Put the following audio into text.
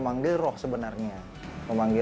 memanggil roh sebenarnya